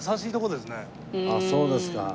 ああそうですか。